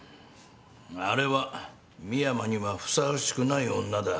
あれは深山にはふさわしくない女だ。